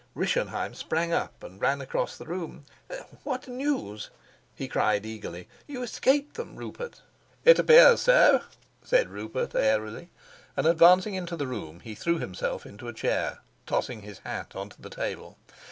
Rischenheim sprang up and ran across the room. "What news?" he cried eagerly. "You escaped them, Rupert?" "It appears so," said Rupert airily; and, advancing into the room, he threw himself into a chair, tossing his hat on to the table.